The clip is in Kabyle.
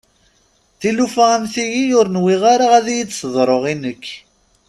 Tilufa am tiyi ur nwiɣ ara ad iyi-d-teḍru i nekk.